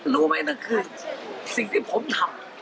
รู้ไหมนั่นคือสิ่งที่ผมทำ